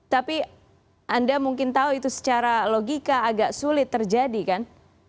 tapi anda mungkin tahu itu secara logika agak sulit terjadi kan